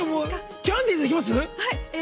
キャンディーズいけます？